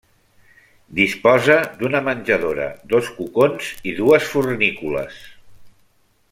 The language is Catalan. Disposa d'una menjadora, dos cocons i dues fornícules.